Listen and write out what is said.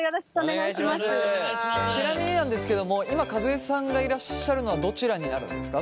ちなみになんですけども今和江さんがいらっしゃるのはどちらになるんですか？